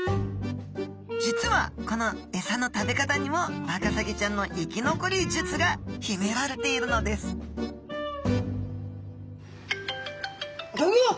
実はこのエサの食べ方にもワカサギちゃんの生き残り術がひめられているのですギョギョッ！